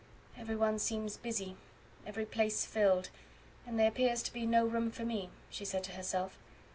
"Every one seems busy, every place filled, and there appears to be no room for me," she said to herself.